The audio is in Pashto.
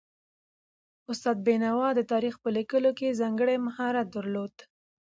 استاد بینوا د تاریخ په لیکلو کې ځانګړی مهارت درلود